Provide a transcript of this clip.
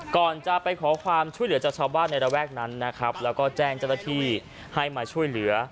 ก่อนจะไปขอความช่วยเหลือจากชาวบ้านในระแวกนั้นนะครับแล้วก็แจ้งเจ้าหน้าที่ให้มาช่วยเหลือ